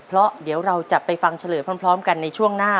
เพราะเดี๋ยวเราจะไปฟังเฉลยพร้อมกันในช่วงหน้า